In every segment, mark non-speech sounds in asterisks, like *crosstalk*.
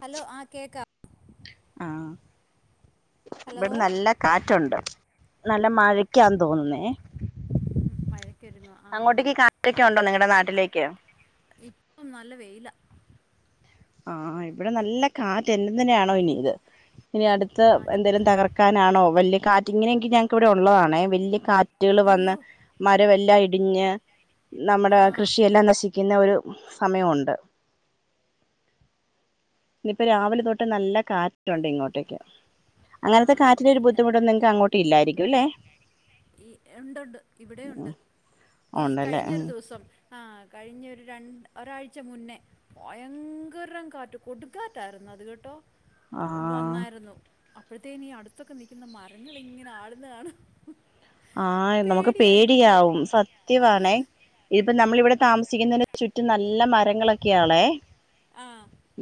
Hello ആ കേക്ക ആ ഹലോ ബടെ നല്ല കാറ്റുണ്ട്. നല്ല മഴക്കാ തോന്നുന്നുന്നെ. മഴയ്ക്കൊരുങ്ങോ ആ അങ്ങോട്ടേക്ക് കാറ്റൊക്കെ ണ്ടോ നിങ്ങടെ നാട്ടിലേക്. ഇപ്പം നല്ല വെയില. ആഹ ഇവിടെ നല്ല കാറ്റ് *unintelligible* ഇത്. ഇനി ആ അടുത്തഎന്തേലും തകർക്കാനാണോ വല്ല്യ കാറ്റ് ഇങ്ങനെയൊക്കെ ഞങ്ങക്കിവിടെ ഉള്ളതാണ് വല്ല്യ കാ റ്റ്കള് വന്ന് അയ്യോ മരവെല്ലാം ഇടി‌ഞ് ആ നമ്മടെ കൃഷി എല്ലാം നശി- പിന്നെ ഒരു സമയൊണ്ട്. ന്ന് പ്പം രാവിലെ തൊട്ട് നല്ല കാറ്റുണ്ട് ഇങ്ങോട്ടേക്. ആ അങ്ങനത്തെ ഇവിടെ കാറ്റിലൊരു ഇല്ല ബുദ്ധിമുട്ട് നിങ്ങക് അങ്ങോട്ടേക്ക് ഇല്ലായിരികുല്ലേ? ഈ ഉണ്ട് ണ്ട് ഇവിടെയൂണ്ട് ഈ ഉണ്ടല്ലേ കയിഞ്ഞരു ഉം ദിവസം. ആ കയിഞ്ഞ് ഒര ര ഒരാഴ്ച മുന്നേ ഭയങ്കരം കാറ്റ് കൊടുംകാറ്റായിരുന്നു. അത് ങ്ങാട്ടോ ആഹ് വന്നായിരുന്നു. അപ്പയെത്തേനി അടുത്തക്കെ നിക്കുന്ന മരങ്ങളിങ്ങനെ ആടുന്നത് കാണാൻ ങ്‌. ആഹ് നമുക്ക് പേടിയാവും ആ സത്യവാണേ ഇതിപ്പോ നമ്മളിവിടെ താമസി ചിക്കുന്നന ചുറ്റും നല്ല മരങ്ങളൊക്കെയാളെ. ആ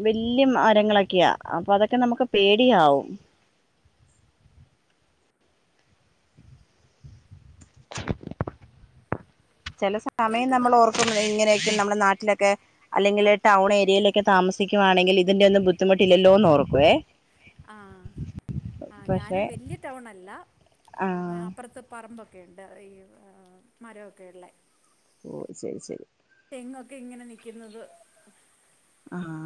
വല്ല്യ മരങ്ങളൊക്കെയാ അപ്പ തൊക്കെ നമുക്ക്. പേടിയാവും. ചെല സമയം കേൾക്കുന്ന നമ്മളോർകുബായ് ഇങ്ങനെയൊക്കെ നമ്മുടെ നാട്ടിലൊക്കെ. അല്ലെങ്കിൽ ടൗൺ ഏരിയേലൊക്കെ താമസിക്കുവാണെങ്കിൽ ഇതിന്റെ ന്നും ബുദ്ദി മുട്ട് ഇല്ലല്ലോന്ന് ഓർക്കുവേ. ആ ആ പക്ഷെ ഞാനും വലിയ ടൗണല്ല, ആഹ് അപ്പറത്ത് പറമ്പ- *unintelligible* ഈഅ ആ മരൊക്കെ ള്ളെ. ഓ ശരി ശരി. തെങ്ങൊക്കെ ഇങ്ങനെ നിക്കുന്നത്. അ ഹാ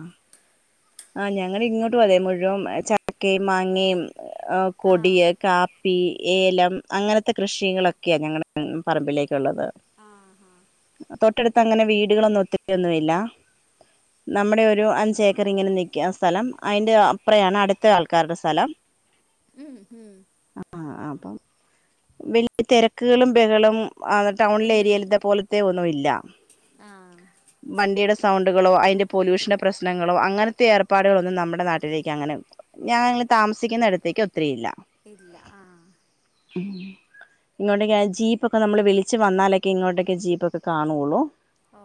അ ഞങ്ങള് ഇങ്ങോട്ടും അതേ മുഴുവം ചക്കേം മാങ്ങേ- ആ ആഹ് കൊടിയേ കാ. പ്പി ഏലം അങ്ങനത്തെ കൃഷികള ക്കെ ഞങ്ങളെ പറമ്പിലേക്കുള്ളത്. ആഹ് ആഹ് തൊട്ടടുത്തങ്ങനെ വീടുകളൊന്നും ഒത്തിരിവൊന്നുയില്ല. നമ്മടെ ഒരു അഞ്ചേക്കറിങ്ങനെ നിക്ക്യ സ്ഥലം, അയിന്റെ അപ്പൊറയാണ് അടുത്ത ആൾക്കാ ര്ടെ സ്ഥലം. ഉം ഉം പ്പം വല്ല്യ തിരക്കുകളും ബഹളും. ആ ടൗണിലെ ഒന്നുമില്ല ഏരിയയിലത്തെ പോലത്തെ ഒന്നും ഇല്ല. ആഹ് വണ്ടിയുടെ സൗ ണ്ടുകളോ അയി പൊല്യൂഷന്റെ പ്രശ്നങ്ങളോ അങ്ങനത്തെ ഏർപ്പാടുകളൊന്നും നമ്മടെ നാട്ടിലേക്ക് അങ്ങനെ ഞാൻങ്ങനെ താമസിക്കുന്നിടത്തെ. ക്കി ഒത്തിരിയില്ല. ഇല്ല ആഹ് ഇങ്ങോട്ടേക്ക ജീപ്പൊക്കെ നമ്മൾ വിളിച്ച് വന്നാലൊക്കെ ഇങ്ങോട്ടൊക്കെ ജീപ്പൊക്കെ കാണുള്ളൂ ഓ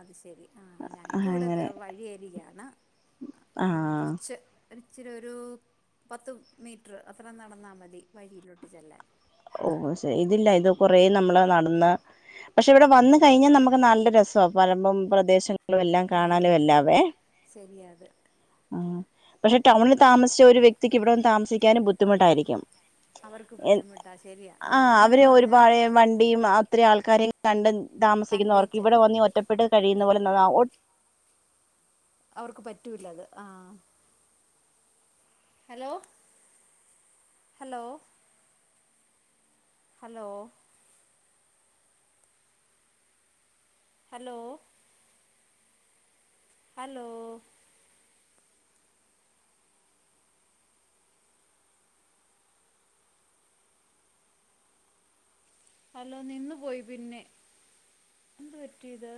അത് ശെരി ആഹ് ഞങക്ക് ഇവിടെ അങ്ങനെ *unintelligible* വഴി വരികയാണ് ആ ആഹ് കുറച്ച് ഒച്ചിരി ഒരു പത്ത് മീറ്റർ അത്ര നടന്നാൽ മതി വഴിയിലോട്ട് ചെല്ലാൻ ഓ *unintelligible* ഇതില്ല ഇത് കൊറെ നമ്മള് നടന്ന പക്ഷെ ഇവിടെ വന്ന് കഴിഞ്ഞാൽ നമുക്ക് നല്ല രസമാണ് വരമ്പും പ്രദേശ എല്ലാം ആഹ് കാണാലും എല്ലാവേ ശരിയാത് ആ പക്ഷെ ടൗണിൽ താമസിച്ച ഒരു വ്യക്തിക്ക് ഇവിടെ വന്ന് താമസിക്കാനും ബുദ്ധിമുട്ടായിരിക്കും അവർക്ക് ബുദ്ധിമുട ആ അവര് ഒരുപഴയ വണ്ടീ അത്ര ആൾക്കാരെ കണ്ട് താമസിക്കുന്നവർക്ക് കണ്ടേച്ച് ഇവിടെ വന്ന് ഒറ്റപ്പെട്ട് കഴിയുന്ന *unintelligible* അവർക്ക് പറ്റൂല്ല അത് ആഹ് ഹലോ ഹലോ ഹലോ ഹലോ ഓ ഹലോ ഹലോ നിന്ന് പോയി പിന്നെ എന്ത് പറ്റിയത്